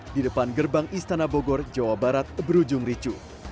di depan gerbang istana bogor jawa barat berujung ricu